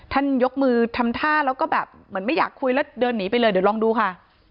ยกมือทำท่าแล้วก็แบบเหมือนไม่อยากคุยแล้วเดินหนีไปเลยเดี๋ยวลองดูค่ะ